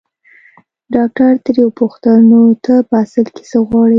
ډاکټر ترې وپوښتل نو ته په اصل کې څه غواړې.